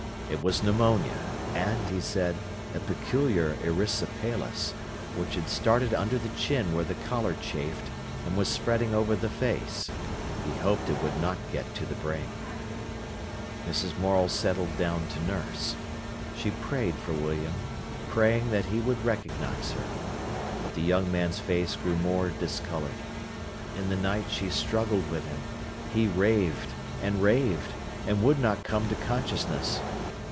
It was pneumonia, and, he said, a peculiar erysipelas, which had started under the chin where the collar chafed, and was spreading over the face. He hoped it would not get to the brain. Mrs. Morel settled down to nurse. She prayed for William, prayed that he would recognise her. But the young man's face grew more discoloured. In the night she struggled with him. He raved, and raved, and would not come to consciousness.